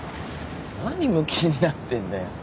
何むきになってんだよ。